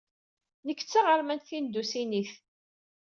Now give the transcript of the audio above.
Nekk d taɣermant tindunisit.